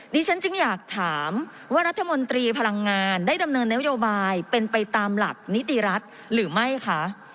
ฉันจึงอยากถามว่ารัฐมนตรีพลังงานได้ดำเนินนโยบายเป็นไปตามหลักนิติรัฐหรือไม่คะ